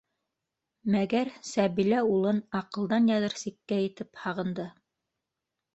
Мәгәр Сәбилә улын аҡылдан яҙыр сиккә етеп һағынды.